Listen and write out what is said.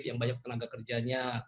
yang banyak tenaga kerjanya